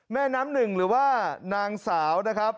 แม่น้ำหนึ่งหรือว่านางสาวนะครับ